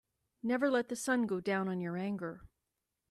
Never let the sun go down on your anger.